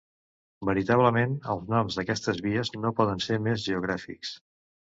Veritablement, els noms d'aquestes vies no poden ser més geogràfics.